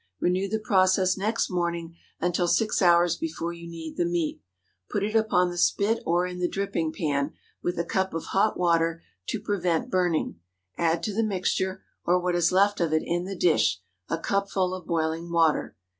Renew the process next morning until six hours before you need the meat. Put it upon the spit or in the dripping pan, with a cup of hot water to prevent burning. Add to the mixture—or what is left of it in the dish—a cupful of boiling water.